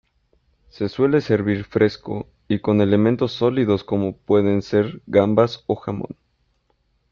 Se suele servir fresco y con elementos sólidos como pueden se gambas o jamón.